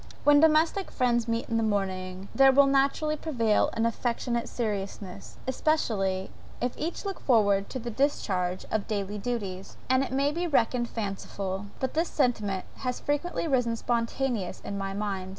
When domestic friends meet in a morning, there will naturally prevail an affectionate seriousness, especially, if each look forward to the discharge of daily duties; and it may be reckoned fanciful, but this sentiment has frequently risen spontaneously in my mind.